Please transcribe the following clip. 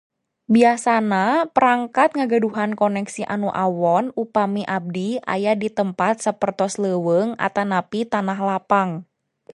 Biasana, perangkat ngagaduhan koneksi anu awon upami abdi aya di tempat sapertos leuweung atanapi tanah lapang.